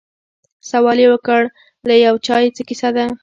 سوال یې وکړ له یو چا چي څه کیسه ده